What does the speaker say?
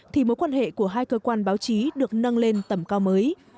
thì mối quan hệ của hai cơ quan báo chí được nâng lên tầm cao mới